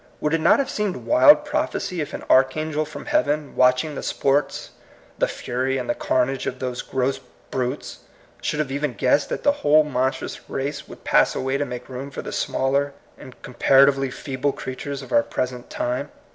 Would it not have seemed wild prophecy if an archangel from heaven, watching the sports, the fury, and the carnage of those gross brutes, should have even guessed that the whole monstrous race would pass away to make room for the smaller and compara tively feeble creatures of our present time